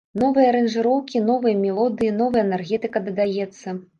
Новыя аранжыроўкі, новыя мелодыі, новая энергетыка дадаецца.